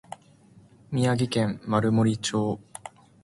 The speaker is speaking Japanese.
宮城県丸森町